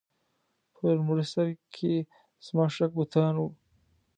په لومړي سر کې زما شک بتان و.